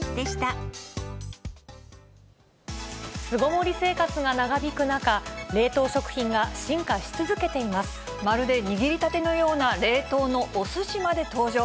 巣ごもり生活が長引く中、まるで握りたてのような冷凍のおすしまで登場。